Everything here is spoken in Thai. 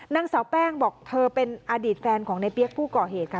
นางสาวแป้งบอกเธอเป็นอดีตแฟนของในเปี๊ยกผู้ก่อเหตุค่ะ